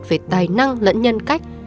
về tài năng lẫn nhân cách